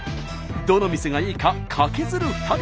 どの店がいいかカケズる２人。